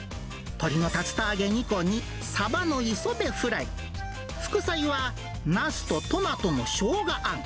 鶏の竜田揚げ２個にサバの磯辺フライ、副菜は、ナスとトマトのショウガあん。